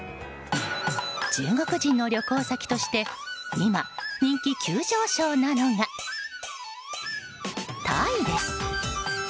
中国人の旅行先として今、人気急上昇なのが、タイです。